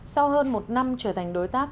sau hơn một năm trở thành đối tác